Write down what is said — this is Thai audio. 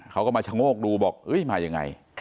เขาก็มาชะโงกดูบอกมายังไง